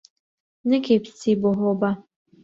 نەکەی بچی بۆ هۆبە